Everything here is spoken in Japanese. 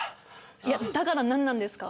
いやだから何なんですか？